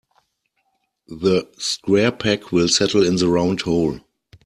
The square peg will settle in the round hole.